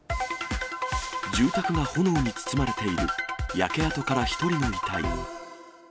住宅が炎に包まれている、焼け跡から１人の遺体。